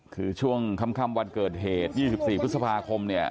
คือช่วงค่ำวันเกิดเหตุ๒๔พฤษภาคมเนี่ย